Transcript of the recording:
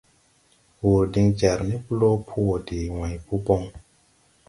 Wur din jar ni blo po wo de wãy po bon.